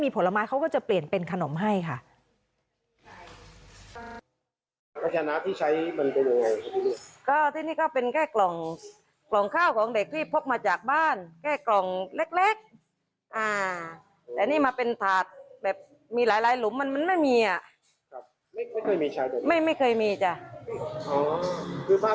นี่ละกรองเล็กแต่อันนี้มาเป็นถาดแบบมีหลายหลุมมันบางมันไม่มีอ่ะไม่มีไม่ไปมีจะคือพา